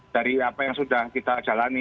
dari apa yang sudah kita jalani